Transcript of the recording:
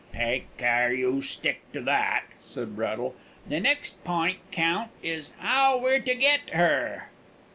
"Take care you stick to that," said Braddle. "The next pint, Count, is 'ow we're to get her."